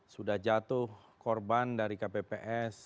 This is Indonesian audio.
sudah jatuh korban dari kpps